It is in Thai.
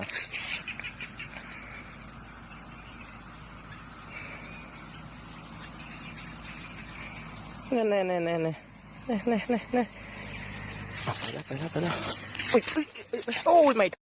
นั่นแหละนั่นแหละนั่นแหละนั่นแหละนั่นแหละนั่นแหละไปแล้ว